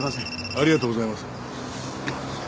ありがとうございます。